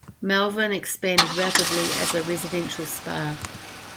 Malvern expanded rapidly as a residential spa.